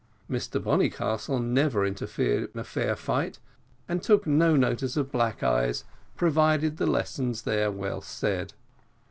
Mr Bonnycastle never interfered in a fair fight, and took no notice of black eyes, provided the lessons were well said.